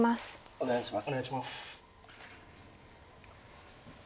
お願いします。